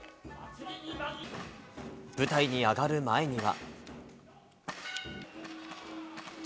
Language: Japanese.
舞台に上がる前には。